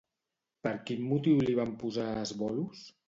Per quin motiu li van posar Asbolus?